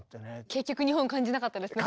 結局日本感じなかったですね